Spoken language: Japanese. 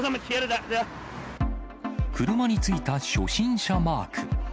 車についた初心者マーク。